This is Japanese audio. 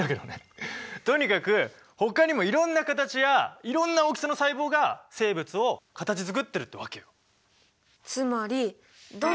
とにかくほかにもいろんな形やいろんな大きさの細胞が生物を形づくってるってわけよ。